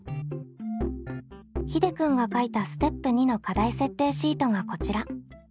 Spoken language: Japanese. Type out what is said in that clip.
ひでくんが書いたステップ２の課題設定シートがこちら。